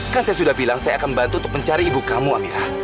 kan saya sudah bilang saya akan membantu untuk mencari ibu kamu amirah